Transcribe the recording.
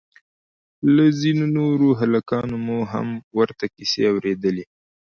له ځينو نورو هلکانو مو هم ورته کيسې اورېدلې وې.